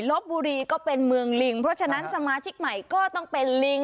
ลบบุรีก็เป็นเมืองลิงเพราะฉะนั้นสมาชิกใหม่ก็ต้องเป็นลิง